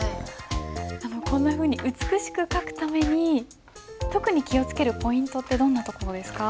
こんなふうに美しく書くために特に気を付けるポイントってどんなところですか？